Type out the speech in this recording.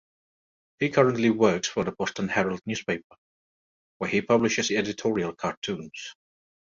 He currently works for the "Boston Herald" newspaper, where he publishes editorial cartoons.